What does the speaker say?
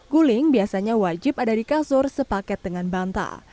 guling biasanya wajib ada di kasur sepaket dengan bantal